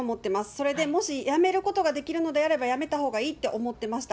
それでもしやめることができるのであれば、やめた方がいいって思ってました。